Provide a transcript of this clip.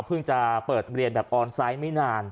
เพิ่งจะเปิดเรียนแบบออนไซต์ไม่นาน